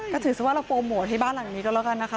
ก็ถือว่าเราโปรโมทให้บ้านหลังนี้ก็แล้วกันนะคะ